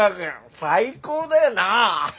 最高だよな。